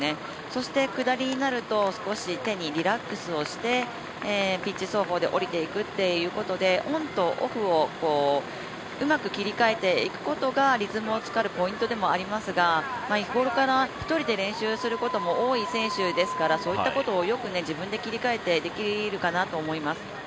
そして、下りになると少し手にリラックスをしてピッチ走法で下りていくということでオンとオフを、うまく切り替えていくことがリズムをつかむポイントでもありますが日頃から１人で練習することも多い選手ですからそういうことを自分で切り替えてできるかなと思います。